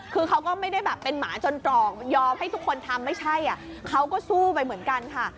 คือเขาก็ไม่ได้แบบเป็นหมาจนตรอกยอมให้ทุกคนทำไม่ใช่เขาก็สู้ไปเหมือนกันค่ะ